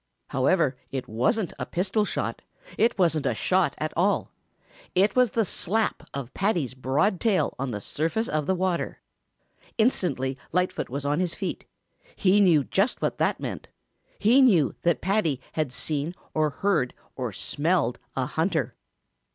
However, it wasn't a pistol shot. It wasn't a shot at all. It was the slap of Paddy's broad tail on the surface of the water. Instantly Lightfoot was on his feet. He knew just what that meant. He knew that Paddy had seen or heard or smelled a hunter.